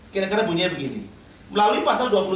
kira kira bunyinya begini melalui pasal